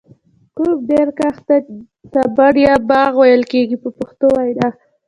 کوم ډول کښت ته بڼ یا باغ ویل کېږي په پښتو وینا.